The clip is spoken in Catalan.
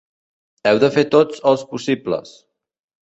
Heu de fer tots els possibles.